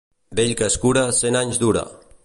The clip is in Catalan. Vell que es cura, cent anys dura.